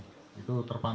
jadi anda asal raja pak